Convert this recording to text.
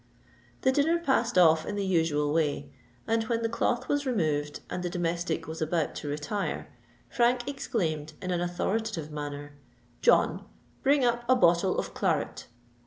The dinner passed off in the usual way; and when the cloth was removed and the domestic was about to retire, Frank exclaimed in an authoritative manner, "John, bring up a bottle of claret."